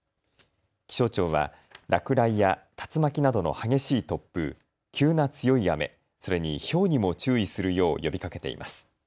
気象庁は落雷や竜巻などの激しい突風、急な強い雨、それにひょうにも注意するよう呼びかけています。